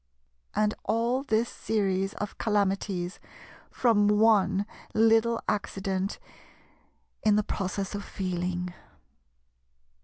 And all this series of calamities from one little accident in the process of Feeling.